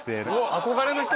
憧れの人？